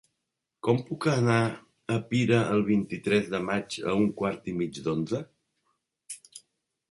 Com puc anar a Pira el vint-i-tres de maig a un quart i mig d'onze?